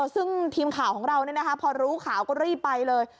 ซึ่งทีมข่าวของเราพอรู้ข่าวก็รีบไปเลย